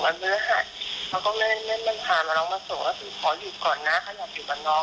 ก็ถือขอหยุดก่อนนะเขาอยากหยุดกับน้องอะไรอย่างเนี้ยให้ลูกสาวหนูปิดโทรศัพท์ตั้งแต่วันที่หยุดกับเขาตลอด